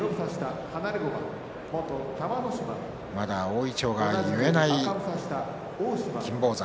まだ大いちょうが結えない金峰山。